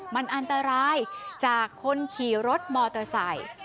มันอันตรายจากคนขี่รถมอเตอร์ไซค์